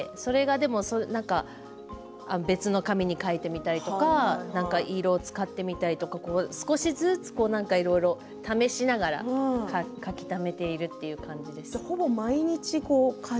でもそれを別の紙に描いてみたりとか色を使ってみたりとか少しずつなんかいろいろ試しながら描きためているという感じです。